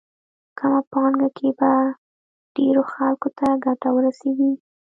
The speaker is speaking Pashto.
کمه پانګه کې به ډېرو خلکو ته ګټه ورسېږي.